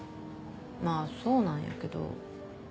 まあそうなんやけど。